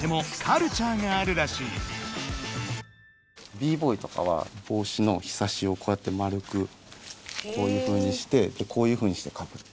Ｂ−ＢＯＹとかはぼうしのひさしをこうやって丸くこういうふうにしてこういうふうにしてかぶってる。